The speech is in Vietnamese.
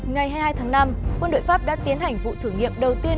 ngày hai mươi hai tháng năm quân đội pháp đã tiến hành vụ thử nghiệm đầu tiên